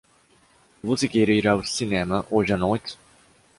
Você quer ir ao cinema hoje à noite?